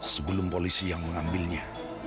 sebelum polisi yang mengambilnya